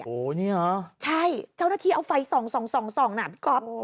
โหนี่หรอใช่เจ้าหน้าที่เอาไฟส่องนะพี่กอป